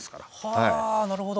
はあなるほど。